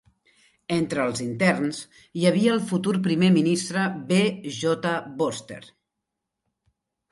Entre els interns hi havia el futur primer ministre B. J. Vorster.